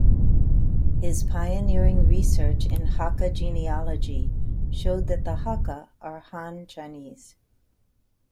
His pioneering research in Hakka genealogy showed that the Hakka are Han Chinese.